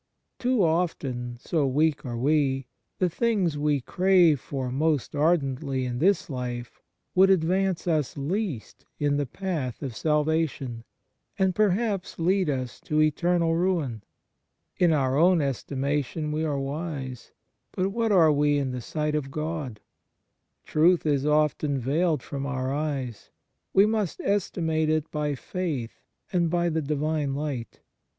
Too often, so weak are we, the things we crave for most ardently in this life would advance us least in the path of salvation, and perhaps lead us to eternal ruin. In our own estimation we are wise, but what are we in the sight of God ? Truth is often veiled from our eyes. We must estimate it by faith and by the Divine Light.